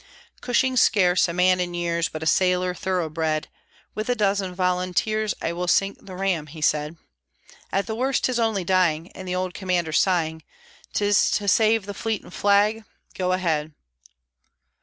Cushing, scarce a man in years, But a sailor thoroughbred, "With a dozen volunteers I will sink the ram," he said. "At the worst 'tis only dying." And the old commander, sighing, "'Tis to save the fleet and flag go ahead!"